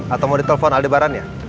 atau mau di telpon aldebaran ya